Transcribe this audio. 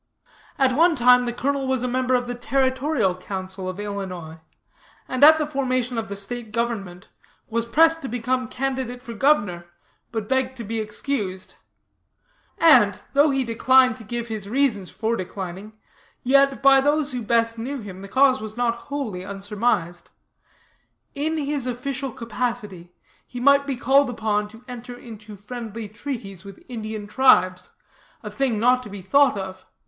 "'At one time the colonel was a member of the territorial council of Illinois, and at the formation of the state government, was pressed to become candidate for governor, but begged to be excused. And, though he declined to give his reasons for declining, yet by those who best knew him the cause was not wholly unsurmised. In his official capacity he might be called upon to enter into friendly treaties with Indian tribes, a thing not to be thought of.